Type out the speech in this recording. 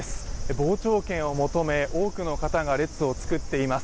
傍聴券を求め、多くの方が列を作っています。